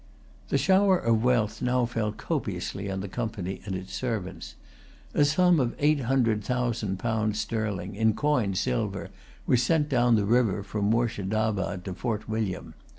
The shower of wealth now fell copiously on the Company and its servants. A sum of eight hundred thousand pound sterling, in coined silver, was sent down the river from Moorshedabad to Fort William.